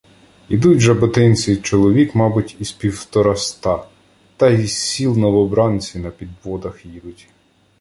Ідуть жаботинці, чоловік, мабуть, із півтораста, та й із сіл новобранці на підводах їдуть.